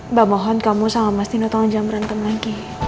mbak mohon kamu sama mas dino tolong jangan berantem lagi